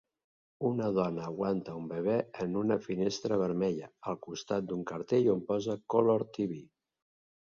Una dona aguanta un bebè en una finestra vermella al costat d'un cartell on posa "Color TV".